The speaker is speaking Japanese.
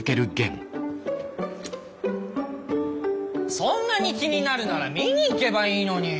そんなに気になるなら見に行けばいいのに。